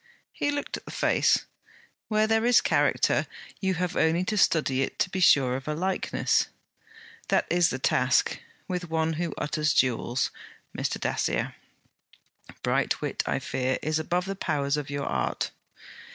He looked at the face. 'Where there is character, you have only to study it to be sure of a likeness.' 'That is the task, with one who utters jewels, Mr. Dacier.' 'Bright wit, I fear, is above the powers of your art.'